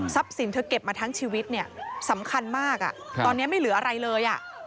สินเธอเก็บมาทั้งชีวิตเนี่ยสำคัญมากตอนนี้ไม่เหลืออะไรเลย